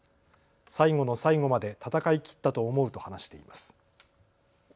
最後の最後まで戦い切ったと思うと話しています。